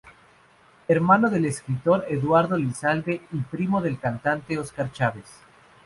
Hermano del escritor Eduardo Lizalde y primo del cantante Óscar Chávez.